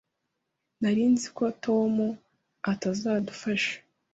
Nari nzi ko Tom atazadufasha.